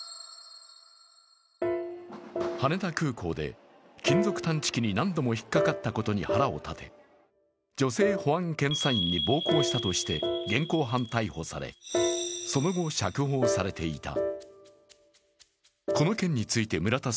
羽田空港で、金属探知機に何度も引っ掛かったことに腹を立て、女性保安検査員に暴行したとして現行犯逮捕されその後、釈放されていた。